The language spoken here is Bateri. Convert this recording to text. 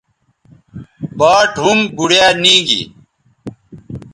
باٹ ھُم بوڑیا نی گی